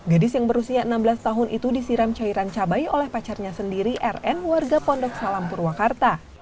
gadis yang berusia enam belas tahun itu disiram cairan cabai oleh pacarnya sendiri rn warga pondok salam purwakarta